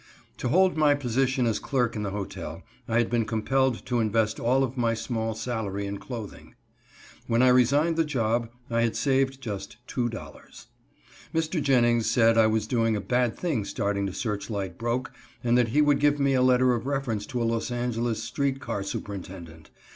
To hold my position as clerk in the hotel I had been compelled to invest all of my small salary in clothing. When I resigned the job I had saved just $2.00. Mr. Jennings said I was doing a bad thing starting to Searchlight broke, and that he would give me a letter of reference to a Los Angeles street car Superintendent.